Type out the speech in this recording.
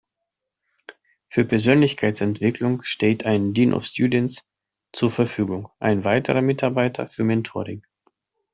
Für Persönlichkeitsentwicklung steht ein „Dean of Students“ zur Verfügung, ein weiterer Mitarbeiter für Mentoring.